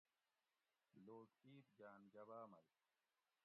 لوک عید گاۤن جباۤ مئ